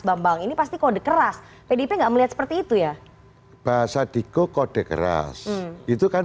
bambang ini pasti kode keras pdip enggak melihat seperti itu ya bahasa digo kode keras itu kan